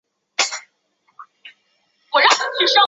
康熙二十九年立。